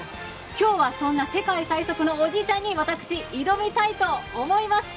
今日はそんな世界最速のおじいちゃんに私、挑みたいと思います。